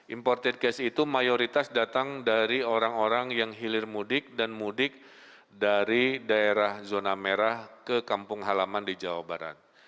imported case itu mayoritas datang dari orang orang yang hilir mudik dan mudik dari daerah zona merah ke kampung halaman di jawa barat